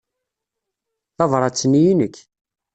Tabṛat-nni i nekk.